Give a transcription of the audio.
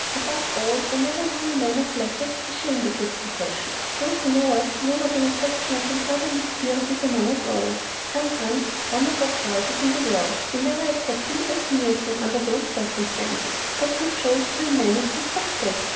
Above all, I never knew a man of letters ASHAMED OF HIS PROFESSION. Those who know us, know what an affectionate and brotherly spirit there is among us all. Sometimes one of us rises in the world: we never attack him or sneer at him under those circumstances, but rejoice to a man at his success.